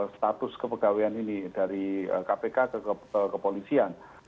status kepegawaian ini dari kpk ke kepolisian